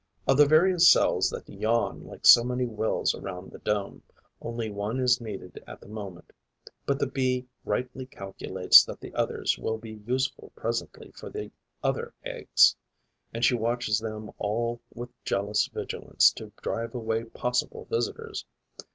Of the various cells that yawn like so many wells around the dome, only one is needed at the moment; but the Bee rightly calculates that the others will be useful presently for the other eggs; and she watches them all with jealous vigilance to drive away possible visitors.